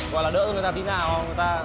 hoặc là đỡ cho người ta tí nào